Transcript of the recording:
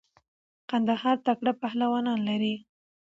قندهار تکړه پهلوانان لری.